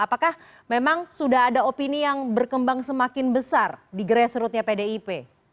apakah memang sudah ada opini yang berkembang semakin besar di grassrootnya pdip